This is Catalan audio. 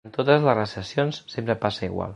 En totes les recessions sempre passa igual.